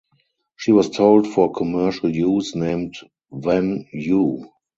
She was sold for commercial use named Wan You.